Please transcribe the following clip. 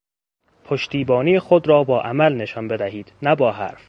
پشتیبانی خود را با عمل نشان بدهید نه با حرف